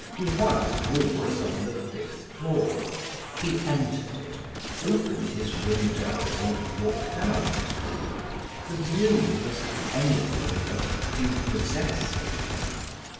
Duroy's room was on the fifth floor. He entered it, opened his window, and looked out: the view was anything but prepossessing.